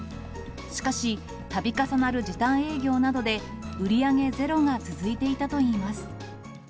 しかし、たび重なる時短営業などで売り上げゼロが続いていたといいます。